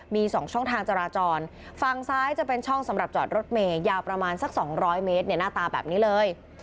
มี๒ช่องทางจราจรฝั่งซ้ายจะเป็นช่องสำหรับจอดรถเมย์ยาวประมาณสัก๒๐๐เมตรหน้าตาแบบนี้เลย